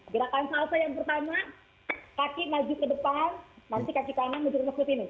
berarti salsa ya gerakan salsa yang pertama kaki maju ke depan nanti kaki kanan menuju ke sini